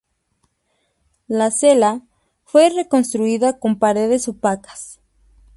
La "cella" fue reconstruida con paredes opacas.